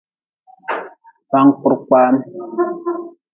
Bankpurkpaam.